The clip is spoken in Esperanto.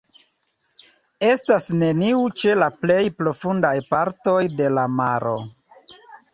Estas neniu ĉe la plej profundaj partoj de la maro.